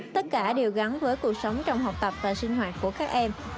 tất cả đều gắn với cuộc sống trong học tập và sinh hoạt của các em